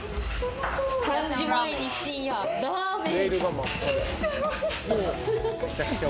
３時前に深夜ラーメン。